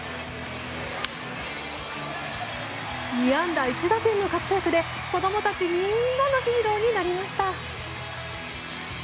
２安打１打点の活躍で子供たちみんなのヒーローになりました。